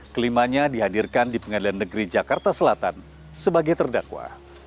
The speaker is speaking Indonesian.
kelimanya dihadirkan di pengadilan negeri jakarta selatan sebagai terdakwa